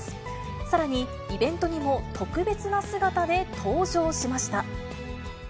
さらにイベントにも、特別な姿で登場しました。